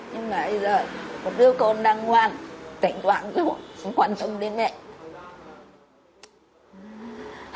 nhưng mà bây giờ một đứa con đang ngoan tỉnh thoảng chú ạ không quan tâm đến mẹ